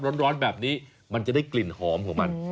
ร้อนแบบนี้มันจะได้กลิ่นหอมของมัน